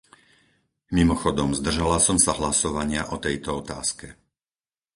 Mimochodom, zdržala som sa hlasovania o tejto otázke.